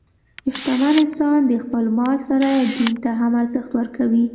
شتمن انسان د خپل مال سره دین ته هم ارزښت ورکوي.